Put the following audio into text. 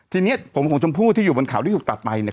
ทีนี้ผมของชมพู่ที่อยู่บนเขาที่ถูกตัดไปเนี่ย